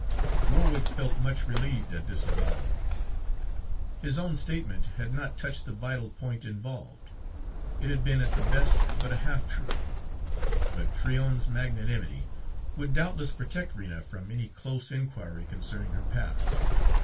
Warwick felt much relieved at this avowal. His own statement had not touched the vital point involved; it had been at the best but a half truth; but Tryon's magnanimity would doubtless protect Rena from any close inquiry concerning her past.